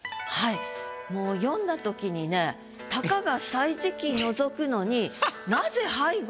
もう読んだ時にねたかが歳時記覗くのにって